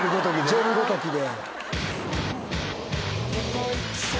ジェルごときで。